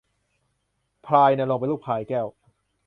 พลายณรงค์เป็นลูกพลายแก้ว